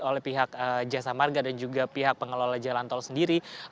oleh pihak jasa marga dan juga pihak pengelola jalan tol sendiri